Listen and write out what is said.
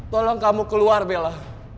tolong kamu keluar bella